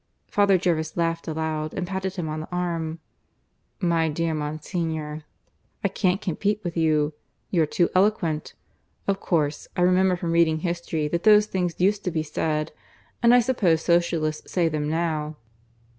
Father Jervis laughed aloud and patted him on the arm. "My dear Monsignor, I can't compete with you. You're too eloquent. Of course, I remember from reading history that those things used to be said, and I suppose Socialists say them now.